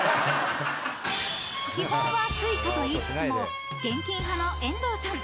［基本はＳｕｉｃａと言いつつも現金派の遠藤さん］